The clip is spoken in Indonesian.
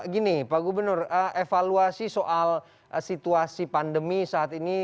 gini pak gubernur evaluasi soal situasi pandemi saat ini